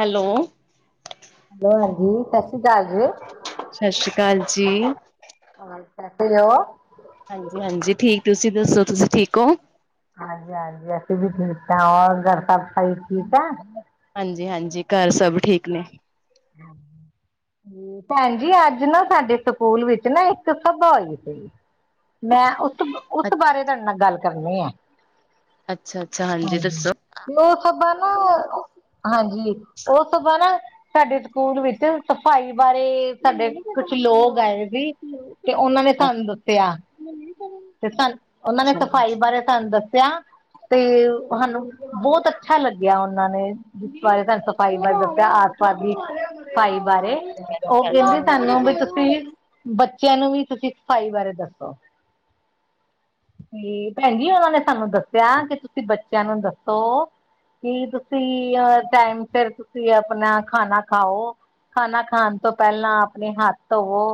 Hello. Hello ਹਾਂਜੀ ਸਸ ਸ੍ਰੀ ਕਾਲ ਜੀ। ਸਸ ਸ਼੍ਰੀ ਕਾਲ ਜੀ। ਹੋਰ ਕੈਸੇ ਹੋ? ਹਾਂਜੀ-ਹਾਂਜੀ ਠੀਕ। ਤੁਸੀਂ ਦੱਸੋ ਤੁਸੀਂ ਠੀਕ ੳ? ਹਾਂਜੀ-ਹਾਂਜੀ ਅਸੀਂ ਵੀ ਠੀਕ ਆਂ। ਔਰ ਘਰ ਸਭ ਸਈ ਠੀਕ ਆਂ। ਹਾਂਜੀ-ਹਾਂਜੀ ਘਾਰ ਸਭ ਠੀਕ ਨੇ। ਹੂੰ। ਭੈਨਜੀ ਅੱਜ ਨਾ ਸਾਡੇ ਸਕੂਲ ਵਿੱਚ ਨਾ ਇੱਕ ਸਭਾ ਹੋਈ ਸੀ। ਮੈਂ ਉਸ ਉਸ ਬਾਰੇ ਤੁਹਾਡੇ ਨਾਲ ਗੱਲ ਕਰਨੀ ਏ। ਅੱਛਾ-ਅੱਛਾ ਹਾਂਜੀ ਦੱਸੋ। ਉ ਸਬਾ ਨਾ, ਹਾਂਜੀ ਉ ਸਬਾ ਨਾ ਸਾਡੇ ਸਕੂਲ ਵਿੱਚ ਸਫ਼ਾਈ ਬਾਰੇ, ਸਾਡੇ ਕੁਛ ਲੋਗ ਆਏ ਸੀ। ਤੇ ਉਨਾਂ ਨੇ ਸਾਨੂੰ ਦੱਸਿਆ, ਤੇ ਸਾਨ ਉਨਾਂ ਨੇ ਅੱਛਾ ਸਫ਼ਾਈ ਬਾਰੇ ਸਾਨੂੰ ਦੱਸਿਆ ਤੇ ਸਾਨੂੰ ਬੋਤ ਅੱਛਾ ਲੱਗਿਆ ਉਨਾਂ ਨੇ ਜਿਸ ਬਾਰੇ ਸਾਨੂੰ ਸਫ਼ਾਈ ਬਾਰੇ ਦੱਸਿਆ ਸਫਾਈ ਬਾਰੇ ਉ ਹੈਲੋ ਕੈਂਦੇ ਸਾਨੂੰ ਵੀ ਤੁਸੀਂ ਬੱਚਿਆਂ ਨੂੰ ਵੀ ਤੁਸੀਂ ਸਫਾਈ ਬਾਰੇ ਦੱਸੋ। ਤੇ ਭੈਨ ਜੀ ਉਨਾਂ ਨੇ ਸਾਨੂੰ ਦੱਸਿਆ ਕਿ ਤੁਸੀਂ ਬੱਚਿਆਂ ਨੂੰ ਦੱਸੋ ਕੀ ਤੁਸੀਂ ਟਾਈਮ ਸਿਰ ਤੁਸੀਂ ਆਪਨਾ ਖਾਨਾ ਖਾਓ, ਖਾਨਾ ਖਾਨ ਤੋਂ ਪੈਲਾਂ ਆਪਨੇ ਹੱਥ ਧੋਵੋ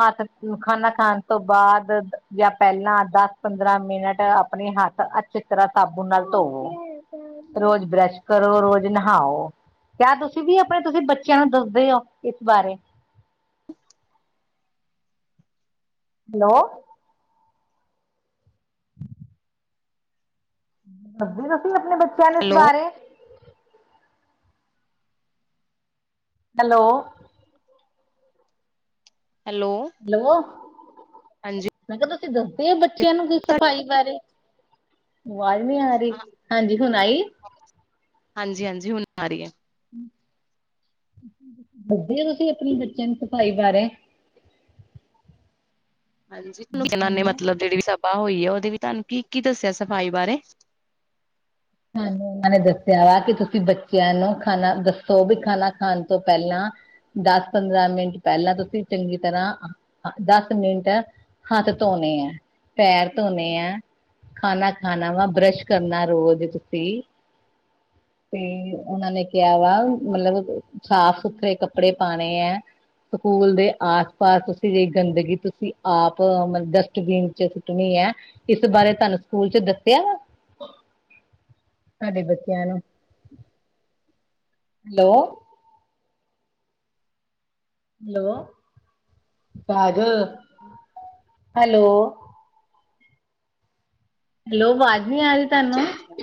ਹੱਥ ਖਾਨਾ ਖਾਨ ਤੋਂ ਬਾਦ ਜਾਂ ਪੈਲਾਂ ਦਸ ਪੰਦਰਾਂ ਮਿੰਟ ਆਪਨੇ ਹੱਥ ਅੱਛੀ ਤਰ੍ਹਾਂ ਸਾਬੁਨ ਨਾਲ ਧੋਵੋ। ਰੋਜ਼ ਬਰੱਸ਼ ਕਰੋ, ਰੋਜ਼ ਨਹਾਓ। ਕਿਆ ਤੁ ਸੀ ਵੀ ਆਪਨੇ ਤੁਸੀਂ ਬੱਚਿਆਂ ਨੂੰ ਦੱਸਦੇ ੳ ਇਸ ਬਾਰੇ? ਹੈਲੋ। [inaudible] ਦੱਸਦੇ ਤੁਸੀਂ ਆਪਨੇ ਬੱਚਿਆਂ ਨੂੰ ਇਸ ਬਾਰੇ ਹੈਲੋ ਹੈਲੋ ਹੈਲੋ, ਹਾਂਜੀ ਮੈਂ ਕਿਆ ਤੁਸੀਂ ਦੱਸਦੇ ੳ ਬੱਚਿਆਂ ਨੂੰ ਦੀ ਸਫ਼ਾਈ ਬਾਰੇ। ਆਵਾਜ਼ ਨੀ ਆ ਰੀ, ਹਾਂਜੀ ਹੁਨ ਆਈ [inaudible] ਹਾਂਜੀ-ਹਾਂਜੀ ਹੁਨ ਆ ਰੀ ਏ ਦਦੇ ੳ ਤੁਸੀਂ ਆਪਨੇ ਬੱਚਿਆਂ ਨੂੰ ਸਫਾਈ ਬਾਰੇ ਹਾਂਜੀ ਇਨਾਂ ਬੱਚਿਆਂ ਨੇ ਨੂੰ ਮਤਲਬ ਜੇੜੀ ਵੀ ਸਭਾ ਹੋਈ ਆ ਉਹਦੇ ਵੀ ਤੁਹਾਨੂੰ ਕੀ-ਕੀ ਦੱਸਿਆ ਸਫ਼ਾਈ ਬਾਰੇ। ਸਾਨੂੰ ਓਨਾਂ ਨੇ ਦੱਸਿਆ ਕਿ ਤੁਸੀਂ ਬੱਚਿਆਂ ਨੂੰ ਖਾਣਾ ਦੱਸੋ ਵੀ ਖਾਣਾ ਖਾਣ ਤੋਂ ਪੈਲਾਂ ਦਸ ਪੰਦਰਾਂ ਮਿੰਟ ਪੈਲਾਂ ਤੁਸੀਂ ਚੰਗੀ ਤਰ੍ਹਾਂ ਦਸ ਮਿੰਟ ਹੱਥ ਤੋਨੇ ਏ ਪੈਰ ਤੋਨੇ ਐ। ਖਾਨਾ ਖਾਨਾ ਵਾ ਬਰੱਸ਼ ਕਰਨਾ ਰੋਜ਼ ਤੁਸੀਂ। ਤੇ ਉਨਾਂ ਨੇ ਕਿਆ ਵਾ ਮਲਬ ਸਾਫ ਸੁਥਰੇ ਕੱਪੜੇ ਪਾਨੇ ਏ। ਸਕੂਲ ਦੇ ਆਸ ਪਾਸ ਤੁਸੀਂ ਜਿ ਗੰਦਗੀ ਤੁਸੀਂ ਆਪ ਮਤਲਬ ਡਸਟਬੀਨ ਚ ਸੁੱਟਨੀ ਏ। ਇਸ ਬਾਰੇ ਤਾਨੂੰ ਸਕੂਲ ਚ ਦੱਸਿਆ ਵਾ? ਸਾਡੇ ਬਚਿਆ ਨੂੰ। ਹੈਲੋ ਹੈਲੋ ਪਾਗ ਹੈਲੋ। ਹੈਲੋ ਵਾਜ਼ ਨੀ ਆਰੀ ਤਾਨੂੰ? ਅੱਛਾ ਅੱਛਾ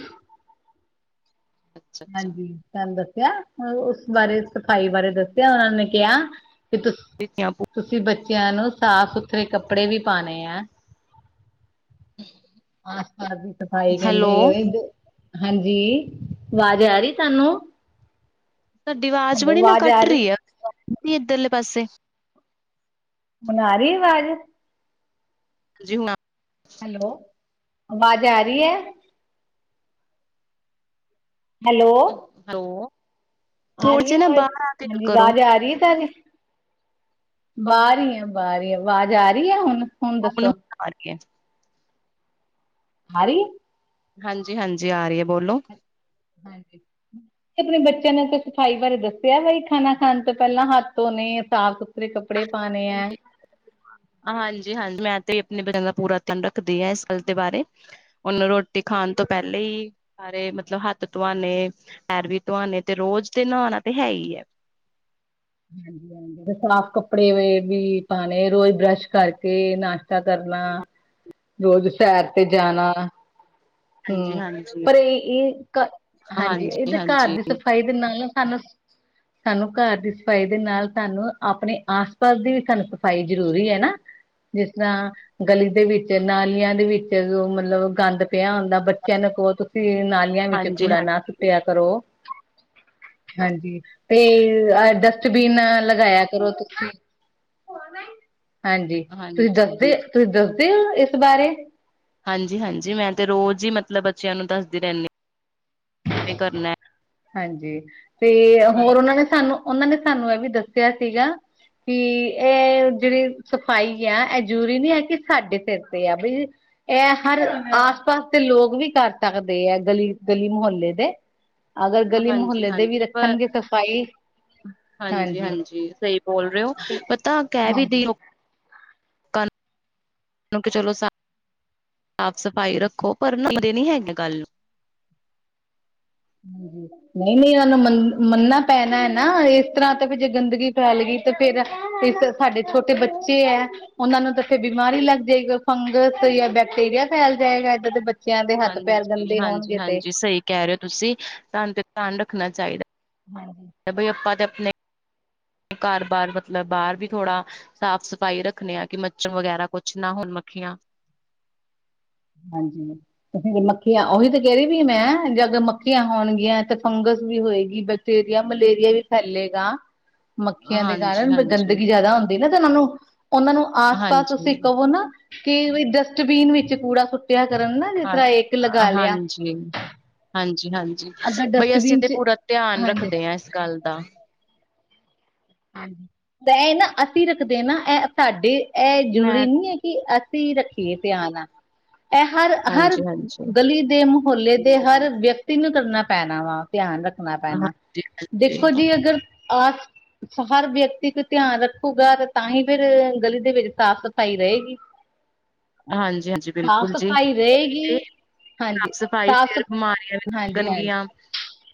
ਅੱਛਾ ਹਾਂਜੀ ਤਾਨ ਦੱਸਿਆ ਉਸ ਬਾਰੇ ਸਫ਼ਾਈ ਬਾਰੇ ਦੱਸਿਆ ਉਨਾਂ ਨੇ ਕਿਆ ਕਿ ਤੁਸ [unintelligible] ਤੁਸੀਂ ਬੱਚਿਆਂ ਨੂੰ ਸਾਫ਼ ਸੁਥਰੇ ਕੱਪੜੇ ਵੀ ਪਾਨੇ ਏ। [unintelligible] ਆਸ ਪਾਸ ਦੀ ਸਫ਼ਾਈ ਕੇਂਦੇ ਹੈਲੋ ਆ, ਹਾਂਜੀ ਆਵਾਜ਼ ਆ ਰੀ ਤਾਨੂੰ। ਤਾਡੀ ਵਾਜ਼ ਬੜੀ ਨਾ ਕੱਟ ਰੀ ਆ ਇੱਧਰਲੇ ਪਾਸੇ। ਹੁਣ ਆ ਰੀ ਏ ਵਾਜ਼? ਜੀ ਹੂ ਨਾ ਹੈਲੋ ਵਾਜ਼ ਆ ਰੀ ਐ। ਹੈਲੋ ਹੈਔ। ਆ ਰੀ ਏ ਵਾਜ਼ ਹਾਂਜੀ ਕਰੋ ਆਵਾਜ਼ ਆ ਰੀ ਏ ਤਾਜੀ। ਬਾਰ ਈ ਏ, ਬਾਰ ਈ ਏ ਵਾਜ਼ ਆ ਰੀ ਐ ਹੁਨ? ਹੂਨ ਆ ਰੀ ਏ। ਆ ਰੀ ਏ। ਹਾਂਜੀ-ਹਾਂਜੀ ਆ ਰੀ ਏ ਬੋਲੋ। ਹਾਂਜੀ ਆਪਨੇ ਬੱਚਿਆਂ ਨੂੰ ਤੇ ਸਫਾਈ ਬਾਰੇ ਦੱਸਿਆ ਬਈ ਖਾਨਾ ਖਾਨ ਤੋਂ ਪੇਲਾਂ ਹੱਥ ਧੋਨੇ ਸਾਫ਼ ਸੂ ਥਰੇ ਕੱਪੜੇ ਪਾਨੇ ਐ। ਹਾਂਜੀ-ਹਾਂਜੀ ਮੈਂ ਤੇ ਆਪਨੇ ਬ ਦਾ ਪੂਰਾ ਧਿਆਨ ਰੱਖਦੀ ਆ ਇਸ ਗੱਲ ਦੇ ਬਾਰੇ। ਹੂਨ ਰੋਟੀ ਖਾਨ ਤੋਂ ਹਾਂਜੀ। ਪੇਲੇ ਈ ਸਾਰੇ ਮਤਲਬ ਹੱਥ ਤੂਆਨੇ ਪੈਰ ਵੀ ਤੂਆਨੇ ਤੇ ਰੋਜ਼ ਤੇ ਨੋਨਾ ਤੇ ਹੈ ਈ ਏ। [unintelligible] ਸਾਫ ਕੱਪੜੇ ਵੇ ਵੀ ਪਾਨੇ ਰੋਜ਼ ਬਰੱਸ਼ ਕਰਕੇ ਨਾਸ਼ਤਾ ਕਰਨਾ ਰੋਜ਼ ਸੈਰ ਤੇ ਜਾਨਾ ਹੂੰ ਹਾਂਜੀ-ਹਾਂਜੀ, ਪਰ ਏ ਇਹ ਹਾਂਜੀ ਏਦੇ ਕਾਰ ਹਾਂਜੀ-ਹਾਂਜੀ, ਦੀ ਸਫ਼ਾਈ ਦੇ ਨਾਲ-ਨਾਲਸਾਨੂੰ, ਸਾਨੂੰ ਕਾਰ ਦੀ ਫਾਈ ਦੇ ਨਾਲ ਤਾਨੂੰ ਆਪਨੇ ਆਸ ਪਾਸ ਦੀ ਵੀ ਸਾਨੂੰ ਸਫ਼ਾਈ ਜ਼ਰੂਰੀ ਹੈ ਨਾ, ਜਿਸ ਤਰ੍ਹਾਂ ਗਲੀ ਦੇ ਵਿੱਚ ਨਾਲੀਆਂ ਦੇ ਵਿੱਚ ਮਲਬ ਗੰਦ ਪਿਆ ਹੁੰਦਾ ਬੱਚਿਆਂ ਨੂੰ ਕਔ ਤੁਸੀਂ ਨਾ ਲਿਆ ਵਿਚ ਕੈਵੇਂ ਕੂੜਾ ਨਾ ਹਾਂਜੀ-ਹਾਂਜੀ। ਸੁੱਟਿਆ ਕਰੋ ਹਾਂਜੀ, ਤੇ ਐਂ ਡਸ ਸ਼ਬੀਨ ਲਗਾਇਆ ਕਰੋ ਤੁਸੀਂ ਹਾਂਜੀ, ਤੁਸੀਂ ਦੱਸਦੇ ਤੁਸੀਂ ਦੱਸਦੇ ਔ ਇਸ ਬਾਰੇ। ਹਾਂਜੀ-ਹਾਂਜੀ ਮੈਂ ਤੇ ਰੋਜ਼ ਈ ਮਤਲਬ ਬੱਚਿਆਂ ਨੂੰ ਦੱਸਦੀ ਰੈਂਨੀ ਏ ਕਰਨੈ। ਹਾਂਜੀ ਤੇ ਹੋਰ ੳਨਾਂ ਨੇ ਸਾਨੂੰ ੳਨਾਂ ਨੇ ਸਾਨੂੰ ਏ ਵੀ ਦੱਸਿਆ ਸੀਗਾ। ਕਿ ਐ ਜੇੜੀ ਸਫ਼ਾਈ ਆ ਏ ਜ਼ਰੂਰੀ ਨੀ ਐ ਕਿ ਸਾਡੇ ਸੇਰ ਤੇ ਐ ਭਈ ਐ ਹਰ ਆਸ ਪਾਸ ਦੇ ਲੋਕ ਵੀ ਕਰ ਸਕਦੇ ਐ ਗਲੀ-ਗਲੀ ਮੁਹੱਲੇ ਦੇ। ਅਗਰ ਗਲੀ ਮੁਹੱਲੇ ਦੇ ਵੀ ਹਾਂਜੀ-ਹਾਂਜੀ ਪਰ ਰੱਖਨਗੇ ਸਫ਼ਾਈ ਹਾਂਜੀ ਹਾਂਜੀ-ਹਾਂਜੀ ਸਈ ਬੋਲ ਰਏ ੳ, ਪਤਾ ਕੈ ਵੀ ਦੇੳ [unintelligible] ਸਾਫ਼ ਸਫ਼ਾਈ ਰੱਖੋ ਪਰ ਮਨਦੇ ਨੀ ਹੈਗੇ ਗਲ ਨੂੰ। ਨਈ-ਨਈ ਔਨਾਂ ਨੂੰ ਮੰਨ ਮੰਨਨਾ ਪੈਨਾ ਐ ਨਾ ਇਸ ਤਰ੍ਹਾਂ ਤਾਂ ਵੀ ਜੇ ਗੰਦਗੀ ਫੈਲ ਗੀ ਤੇ ਫੇਰ ਤਾਂ ਸਾਡੇ ਛੋਟੇ ਬੱਚੇ ਐ। ਔਨਾਂ ਨੂੰ ਤਾਂ ਫੇਰ ਬਿਮਾਰੀ ਲੱਗ ਜਾਏਗੀ ਫੰਗਸ ਯਾ ਬੈਕਟੀੇਰੀਆ ਫੈਲ ਜਾਏਗਾ ਏਦਾਂ ਦੇ ਬੱ ਚੇਆਂ ਦੇ ਹੱਥ ਪੈਰ ਗੰਦੇ ਹੋਨਗੇ ਤੇ। ਕੈ ਰਏ ੳ ਤੁਸੀਂ ਤਾਨੂ ਤੇ ਧਿਆਨ ਰੱਖਨਾ ਚਾਈਦੈ। ਹੂੰ। ਬਈ ਆਪਾਂ ਤੇ ਆਪਨੇ ਘਾਰ ਬਾਰ ਮਤਲਬ ਬਾਰ ਵੀ ਥੋੜਾ ਸਾਫ਼ ਸਫ਼ਾਈ ਰੱਖਨੈ ਆਂ ਕਿ ਮੱਛਰ ਵਗੈਰਾ ਕੁਛ ਨਾ ਹੋਨ ਮੱਖੀਆਂ ਹਾਂਜੀ। ਮੱਖੀਆਂ ੳਹੀ ਤਾਂ ਕੈ ਰੀ ਵੀ ਮੈਂ ਜੇਗਰ ਮੱਖੀਆਂ ਹੋਨਗੀਆਂ ਤੇ ਫੰਗ਼ਸ ਵੀ ਹੋਏਗੀ ਬ ਡੇਰੀਆ ਮਲੇਰੀਆ ਵੀ ਫੈਲੇਗਾ। ਮੱਖੀਆਂ ਦੇ ਹਾਂਜੀ, ਕਾਰਨ ਹਾਂਜੀ, ਗੰਦਗੀ ਜਾਦਾ ਹੁੰਦੀ ਨਾ ਤੇ ੳਨਾਂ ਨੂੰ। ੳਨਾਂ ਨੂੰ ਆਸ-ਪਾਸ ਤੁਸੀਂ ਹਾਂਜੀ ਕਵੋ ਨਾ, ਕਿ ਡਸਟਬੀਨ ਵਿੱਚ ਕੂੜਾ ਸੁੱਟਿਆ ਕਰਨ ਨਾ ਜਿਸ ਤਰ੍ਹਾਂ ਇੱਕ ਹਾਂ ਲਗਾ ਲਿਆ ਹਾਂਜੀ। ਹਾਂਜੀ-ਹਾਂਜੀ ਅਗਰ ਭਈ ਅਸੀਂ ਡਸਟਬਿਨ ਤੇ ਚ ਪੂਰਾ ਧਿਆਨ ਹਾਂਜੀ ਰੱਖਦੇ ਆਂ ਇਸ ਗੱਲ ਦਾ। ਹਾਂਜੀ ਤਾਂ ਏ ਨਾ ਅਸੀਂ ਰੱਖਦੇ ਆਂ ਨਾ ਐ ਸਾਡੇ ਐ ਜ਼ਰੂਰੀ ਮੈਂ ਨੀ ਏ। ਕਿ ਅਸੀਂ ਰੱਖੀਏ ਧਿਆਨ ਐ ਹਰ-ਹਰ ਹਾਂਜੀ, ਹਾਂਜੀ, ਗਲੀ ਦੇ ਮੁ ਮੁਹੱਲੇ ਦੇ ਹਰ ਵਿਅਕਤੀ ਨੂੰ ਕਰਨਾ ਪੈਨਾ ਵਾ ਧਿਆਨ ਰੱਖ ਨਾ ਪੈਨਾ। ਹਾਂਜੀ, ਹਾਂਜੀ, ਦੇਖੋ ਜੀ ਅਗਰ ਆਸ ਹਰ ਵਿਅਕਤੀ ਕੋ ਧਿਆਨ ਰੱਖੂਗਾ ਤਾਂ ਹੀ ਫੇਰ ਗਲੀ ਦੇ ਵਿੱਚ ਸਾਫ਼ ਸਫ਼ਾਈ ਰਏਗੀ। [inaudible] ਹਾਂਜੀ-ਹਾਂਜੀ ਬਿਲਕੁਲ ਜੀ। ੳਈ ਤੇ ਰਹੇਗੀ ਹਾਂਜੀ ਸਾਫ਼ ਸਫ਼ਾਈ ਸਾਫ਼ ਸ ਫੇਰ ਬਿਮਾਰੀਆਂ ਵੀ ਨੀ ਹਾਂਜੀ ਲੱਗਨ ਹਾਂਜੀ ਗੀਆਂ।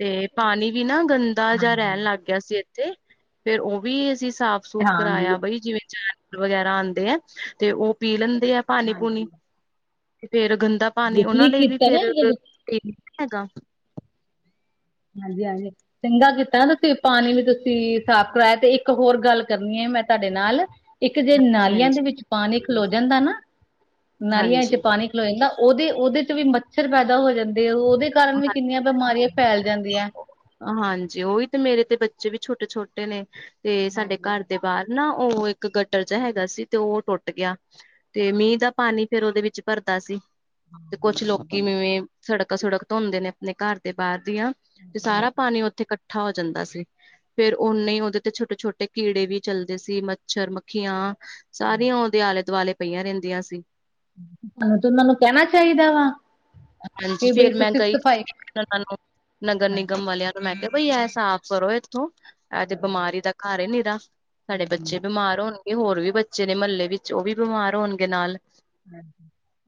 ਤੇ ਪਾਨੀ ਵੀ ਨਾ ਗੰਦਾ ਜਾਂ ਹਾਂਜੀ ਰੈਨ ਲੱਗ ਗਿਆ ਸੀ ਏੱਥੇ, ਫੇਰ ੳ ਵੀ ਅਸੀਂ ਸਾਫ਼ ਸੂਫ ਹਾਂਜੀ ਕਰਾਇਆ ਭਈ ਜਿਵੇਂ ਜਾਨਵਰ ਵਗੈਰਾ ਆਂਦੇ ਏ ਤੇ ੳ ਪੀ ਲੈਂਦੇ ਆ। ਪਾਨੀ ਪੂਨੀ, ਹਾਂਜੀ ਤੇ ਫੇਰ ਗੰਦਾ ਜੀ ਪਾਨੀ ੳਨਾਂ ਠੀਕ ਲਈ ਵੀ ਕੀਤਾ ਨਾ ਫੇਰ ਜੀ। ਹੈਗਾ। ਹਾਂਜੀ-ਹਾਂਜੀ। ਚੰਗਾ ਕੀਤਾ ਨਾ ਤੁਸੀਂ ਪਾਨੀ ਵੀ ਤੁਸੀਂ ਸਾਫ਼ ਕਰਾਇਆ, ਤੇ ਇੱਕ ਹੋਰ ਗੱਲ ਕਰਨੀ ਐ ਮੈਂ ਤੁਹਾਡੇ ਨਾਲ। ਇੱਕ ਜੇ ਹਾਂਜੀ ਨਾਲੀਆਂ ਦੇ ਹਾਂਜੀ ਵਿੱਚ ਪਾਨੀ ਖਲੋ ਜਾਂਦਾ ਨਾ, ਨਾਲੀਆਂ ਚ ਹਾਂਜੀ ਪਾਨੀ ਖਲੋ ਜਾਂਦਾ, ੳਦੇ-ੳਦੇ ਚ ਵੀ ਮੱਛਰ ਪੈਦਾ ਹੋ ਜਾਂਦੇ ਆ ੳਦੇ ਕਾਰਨ ਵੀ ਕਿੰਨੀਆਂ ਬਿਮਾਰੀਆਂ ਫੈਲ ਜਾਂਦੀਆਂ। ਹਾਂ- ਹਾਂਜੀ ਉਈ ਤੇ ਮੇਰੇ ਤੇ ਬੱਚੇ ਵੀ ਛੋਟੇ-ਛੋਟੇ ਨੇ ਤੇ ਸਾਡੇ ਹਾਂਜੀ ਘਰ ਦੇ ਬਾਰ ਨਾ ੳ ਇੱਕ ਗਟਰ ਜਿਹਾ ਹੈਗਾ ਸੀ ਤੇ ੳ ਟੁੱਟ ਗਿਆ ਤੇ ਅੱਛਾ। ਮੀਂ ਦਾ ਪਾਨੀ ਫੇਰ ੳਦੇ ਵਿੱਚ ਭਰਦਾ ਸੀ, ਤੇ ਕੁਛ ਲੋਕੀ ਜਿਵੇਂ ਸੜੱਕ ਸੁੜੱਕ ਧੋਂਦੇ ਨੇ ਅਪਨੇ ਕਾੱਰ ਦੇ ਬਾਰ ਦੀਆਂ ਤੇ ਸਾਰਾ ਪਾਨੀ ਓਥੇ ਕੱਠਾ ਹੋ ਜਾਂਦਾ ਸੀ। ਫੇਰ ਓਨੇ ਹੀ ਓਦੇ ਤੇ ਛੋਟੇ -ਛੋਟੇ ਕੀੜੇ ਵੀ ਚੱਲਦੇ ਸੀ ਮੱਛਰ, ਮੱਖੀਆਂ ਸਾਰੀਆਂ ਓਦੇ ਆਲੇ-ਦੁਆਲੇ ਪਈਆਂ ਰੇਂਦੀਆ ਸੀ। ਅ ਤੇ ਓਨਾਂ ਨੂੰ ਕੈਂਨਾ ਚਾਈਦਾ ਵਾ। ਹਾਂਜੀ ਕਿ ਬਈ ਫੇਰ ਮੈਂ ਤੁਸੀਂ ਗਈ ਸਫਾਈ ਸੀ ਓਨਾਂ ਨੂੰ ਨਗਰ ਹਾਂਜੀ। ਨਿਗਮ ਵਾਲਿਆਂ ਮੈਂ ਕੈਆ ਕੋਈ ਏਹ ਸਾਫ਼ ਕਰੋ ਏਥੋਂ ਐ ਤੇ ਬਮਾਰੀ ਦਾ ਕਾੱਰ ਐ ਨੀਰਾ ਸਾਡੇ ਹਾਂਜੀ ਬੱਚੇ ਬਿਮਾਰ ਹੋਣਗੇ ਹੋਰ ਵੀ ਬੱਚੇ ਨੇ ਮਹੱਲੇ ਵਿੱਚ ਉਹ ਵੀ ਬਿਮਾਰ ਹੋਣਗੇ ਨਾਲ।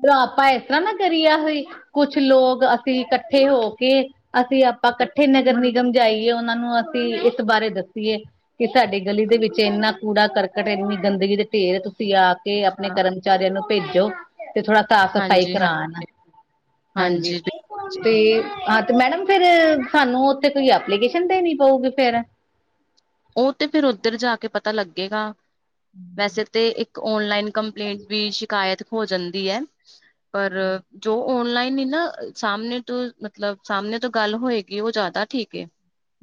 ਤੇ ਆਪਾਂ ਏਸ ਤਰ੍ਹਾਂ ਨਾ ਕਰੀਏ ਆਹੀ ਕੁਛ ਲੋਕ ਅਸੀਂ ਕੱਠੇ ਹੋ ਕੇ ਅਸੀਂ ਆਪਾਂ ਕੱਠੇ ਨਗਰ ਨਿਗਮ ਜਾਈਏ ਓਨਾਂ ਨੂੰ ਅਸੀਂ ਇਸ ਬਾਰੇ ਦੱਸੀਏ। ਕਿ ਸਾਡੀ ਗਲੀ ਦੇ ਵਿੱਚ ਏਨਾਂ ਕੂੜਾ ਕਰਕਟ ਏਨੀ ਗੰਦਗੀ ਦੇ ਢੇਰ ਤੁਸੀਂ ਆ ਕੇ ਆਪਣੇ ਹਾਂ ਕਰਨ ਵਿਚਾਰਿਆਂ ਨੂੰ ਭੇਜੋ ਤੇ ਥੋੜਾ ਸਾਫ਼ ਸਫ਼ਾਈ ਹਾਂਜੀ ਹਾਂ ਕਰਾਣ ਹਾਂਜੀ ਬਿਲਕੁਲ ਜੀ ਤੇ ਹਾਂ ਤੇ ਮੈਡਮ ਫੇਰ ਸਾਨੂੰ ਓਥੇ ਕੋਈ ਐਪਲੀਕੇਸ਼ਨ ਦੇਣੀ ਪਊਗੀ ਫੇਰ ਓ ਤੇ ਫੇਰ ਉੱਧਰ ਜਾ ਕੇ ਪਤਾ ਲੱਗੇਗਾ। ਵੈਸੇ ਤੇ ਇੱਕ ਓਨਲਾਈਨ ਕੰਪਲੇਂਟ ਵੀ ਸ਼ਿਕਾਇਤ ਹੋ ਜਾਂਦੀ ਐ। ਪਰ ਜੋ ਓਨਲਾਈਨ ਈ ਨਾ ਸਾਹਮਣੇ ਤੋਂ ਮਤਲਬ ਸਾਹਮਣੇ ਤੋਂ ਗੱਲ ਹੋਏਗੀ ਓ ਜਾਦਾ ਠੀਕ ਏ।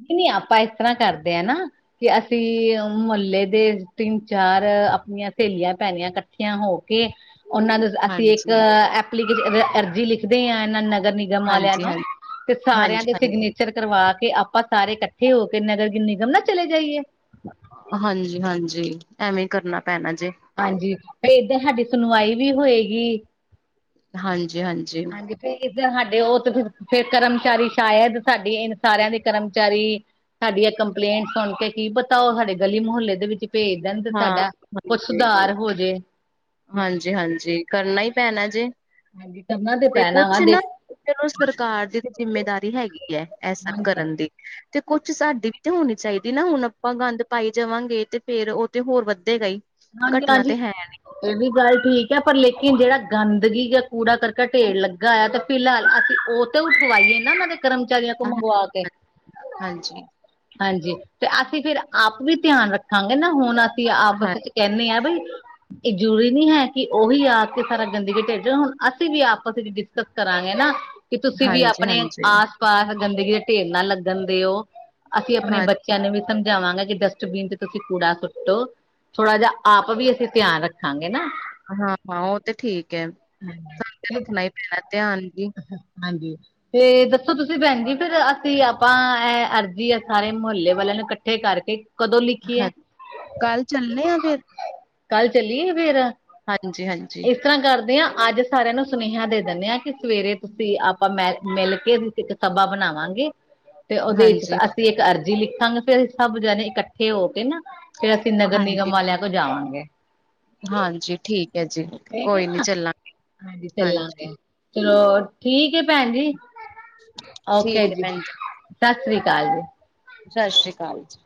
ਕਿ ਨਈ ਆਪਾਂ ਏਸ ਤਰ੍ਹਾਂ ਕਰਦੇ ਆ ਨਾ ਕਿ ਅਸੀਂ ਮੁਹੱਲੇ ਦੇ ਤਿੰਨ-ਚਾਰ ਆਪਣੀਆਂ ਸਹੇਲੀਆਂ ਪੈਣੀਆਂ ਕ ਠੀਆ ਹੋ ਕੇ ਓਨਾਂ ਨੂੰ ਅਸੀਂ ਇੱਕ ਹਾਂਜੀ, ਐਪਲੀਕੇ ਅਰਜੀ ਲਿਖਦੇ ਹਾਂ ਏਨਾਂ ਨਗਰ ਗਮ ਆਲਿਆਂ ਹਾਂਜੀ, ਨੂੰ ਹਾਂਜੀ, ਤੇ ਸਾਰਿਆਂ ਹਾਂਜੀ, ਦੇ ਹਾਂਜੀ। ਸਿਗਨੇਚ ਚਰ ਕਰਵਾ ਕੇ ਆਪਾਂ ਸਾਰੇ ਕੱਠੇ ਹੋ ਕੇ ਨਗਰ ਨਿਗਮ ਨਾ ਚਲੇ ਜਾਈਏ। ਹਾਂਜੀ-ਹਾਂਜੀ ਐਵੇਂ ਕਰਨਾ ਪੈਣਾ ਜੇ। ਹਾਂਜੀ ਤੇ ਏਦਾਂ ਹਾਡੀ ਸੁਣਵਾਈ ਵੀ ਹੋਏਗੀ। ਹਾਂਜੀ-ਹਾਂਜੀ। ਹਾਂਜੀ ਫੇਰ ਇਧਰ ਸਾਡੇ ਓ ਤੇ ਫ ਫੇਰ ਕਰਮਚਾਰੀ ਸ਼ਾਇਦ ਸਾਡੀ ਇਨ ਸਾਰਿਆਂ ਦੇ ਕਰਮਚਾਰੀ ਸਾਡੀ ਆ ਕੰਪਲੇਂਟ ਸੁਣ ਕੇ ਕੀ ਪਤਾ ਓ ਸਾਡੇ ਗਲੀ ਮੁਹੱਲੇ ਦੇ ਵਿੱਚ ਪੇਜ ਦੇਣ ਤੇ ਹਾਂ, ਸਾਡਾ ਕੁਛ ਸੁਧਾਰ ਹੋਜੇ। ਹਾਂਜੀ-ਹਾਂਜੀ ਕਰਨਾ ਈ ਪੈਣਾ ਜੇ। ਹਾਂਜੀ ਕਰਨਾ ਤੇ ਪੈਣਾ ਵਾ ਕੁਛ ਦੇਖ ਨਾ ਚਲੋ ਸਰਕਾਰ ਦੀ ਤੇ ਜਿੰਮੇਦਾਰੀ ਹੈਗੀ ਐ ਏਹ ਸਭ ਹਾਂਜੀ ਕਰਨ ਦੀ। ਤੇ ਕੁਛ ਸਾਡੀ ਵੀ ਤੇ ਹੋਣੀ ਚਾਈਦੀ ਨਾ ਹੁਣ ਆਪਾਂ ਗੰਦ ਪਾਈ ਜਾਵਾਂਗੇ ਤੇ ਫੇਰ ਉਹ ਤੇ ਹੋਰ ਵੱਧੇ ਗਈ। ਹਾਂਜੀ-ਰਾਂਜੀ। ਏਵੀ ਗੱਲ ਠੀਕ ਐ ਪਰ ਲੇਕਿਨ ਜੇੜਾ ਗੰਦਗੀ ਜਾਂ ਕੂੜਾ ਕਰਕਟ ਢੇਰ ਲੱਗਾ ਆ ਤੇ ਫਿਲਹਾਲ ਅਸੀਂ ਓ ਤੇ ਉਠਵਾਈਏ ਨਾ ਓਨਾਂ ਦੇ ਕਰਮਚਾਰੀਆਂ ਕੋ ਨਾ। ਮੰਗਵਾ ਕੇ। ਹਾਂਜੀ ਹਾਂਜੀ ਤੇ ਅਸੀਂ ਫੇਰ ਆਪ ਵੀ ਧਿਆਨ ਰੱਖਾਂਗੇ ਨਾ ਹੁਣ ਅਸੀਂ ਹਾਂ ਆਪਸ ਚ ਕੇਨੇ ਆ ਬਈ ਏ ਜ਼ਰੂਰੀ ਨੀ ਹੈ ਕਿ ਉਹੀ ਆ ਕੇ ਸਾਰਾ ਗੰਦਗੀ ਢਿੱਡ ਜਾਣ ਹੁਣ ਅਸੀਂ ਵੀ ਆਪਸ ਵਿੱਚ ਕਰਾਂਗੇ ਨਾ ਕਿ ਤੁਸੀਂ ਵੀ ਹਾਂਜੀ ਆਪਣੇ ਹਾਂਜੀ ਆਸ ਪਾਸ ਗੰਦੇਗੀ ਢੇਰ ਨਾ ਲੱਗਣ ਦੇਓ ਅਸੀਂ ਹਾਂ ਆਪਣੇ ਬੱਚ ਬੱਚਿਆਂ ਨੂੰ ਵੀ ਸਮਝਾਵਾਂਗਾ ਕਿ ਡਸਟਬੀਨ ਤੇ ਤੁਸੀਂ ਕੂੜਾ ਸੁੱਟੋ। ਥੋੜ੍ਹਾ ਜੇਆ ਆਪ ਵੀ ਅਸੀਂ ਧਿਆਨ ਰੱਖਾਂਗੇ ਨਾ। ਹਾਂ ਓ ਤੇ ਠੀਕ ਐ ਸਾਨੂੰ ਤੇ ਰੱਖਣਾ ਹ ਪੈਣਾ ਧਿਆਨ ਜੀ। ਹਾਂਜੀ। ਤੇ ਦੱਸੋ ਤੁਸੀਂ ਭੈਣ ਜੀ ਫਿਰ ਅਸੀਂ ਆਪਾਂ ਐ ਅਰਜ਼ੀ ਆ ਸਾਰੇ ਮੁਹੱਲੇ ਵਾਲੇਆਂ ਨੂੰ ਕੱਠੇ ਕਰਕੇ ਕਦੋਂ ਲਿਖੀ ਐ, ਹਾਂ ਕੱਲ ਚੱਲੇ ਆ ਫਿਰ ਕੱਲ ਚਲੀਏ ਫੇਰ ਹਾਂਜੀ-ਹਾਂਜੀ। ਇਸ ਤਰਾਂ ਕਰਦੇ ਆਂ ਅੱਜ ਸਾਰੇਆਂ ਨੂੰ ਸੁਨੇਹਾ ਦੇ ਦੰਨੇ ਆ ਕਿ ਸਵੇਰੇ ਤੁਸੀਂ ਆਪਾਂ ਮੈਲ-ਮਿਲ ਕੇ ਇੱਕ ਸਭਾ ਬਨਾਵਾਂਗੇ ਤੇ ਓਦੇ ਵਿੱਚ ਹਾਂਜੀ ਅਸੀਂ ਇੱਕ ਅਰਜ਼ੀ ਲਿਖਾਂਗੇ ਫੇਰ ਅਸੀਂ ਸਭ ਜਣੇ ਇਕੱਠੇ ਹੋ ਕੇ ਨਾ ਫੇਰ ਅਸੀਂ ਨਗਰ ਨਿਗਮ ਹਾਂਜੀ ਵਾਲੇਆਂ ਭਜਾਵਾਂਗੇ। ਹਾਂਜੀ ਠੀਕ ਐ ਜੀ, ਠੀਕ ਹੈ ਕੋਈ ਨੀ ਨਾ ਚੱਲਾਂਗੇ, ਹਾਂਜੀ। ਚਲੋ ਠੀਕ ਐ ਭੈਣ ਜੀ। ਓਕੇ ਠੀਕ ਹੈ ਜੀ, ਭੈਣ ਸਸ੍ਰੀ ਕਾਲ ਜੀ। ਸਸ਼੍ਰੀ ਕਾਲ ਜੀ।